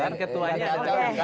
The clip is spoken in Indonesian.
wah ini ketuanya